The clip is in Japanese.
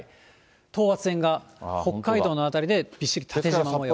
等圧線が北海道の辺りでびっしり縦もよう。